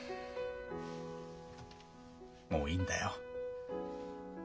もういいんだよ。